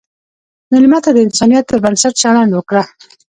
مېلمه ته د انسانیت پر بنسټ چلند وکړه.